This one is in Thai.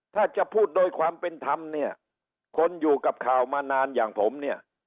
ถ้าจะพูดโดยความเป็นธรรมเนี่ยคนอยู่กับข่าวมานานอย่างผมเนี่ย